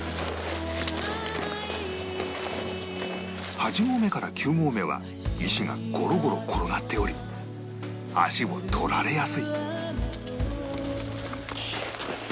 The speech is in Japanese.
８合目から９合目は石がゴロゴロ転がっており足を取られやすい